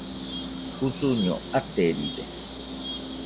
Usuño ateride